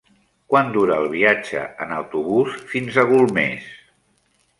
Quant dura el viatge en autobús fins a Golmés?